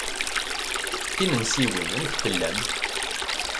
Timensiwin, amek tellam?